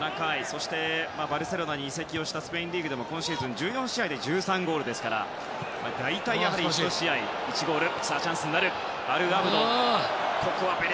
そしてバルセロナに移籍したスペインリーグでも今シーズン１４試合で１３ゴールですから大体、１試合１ゴール。